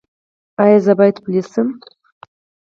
ایا زه باید پولیس شم؟